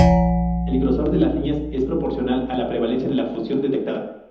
El grosor de las líneas es proporcional a la prevalencia de la fusión detectada.